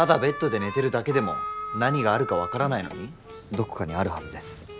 どこかにあるはずです